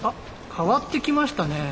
変わってきましたねぇ。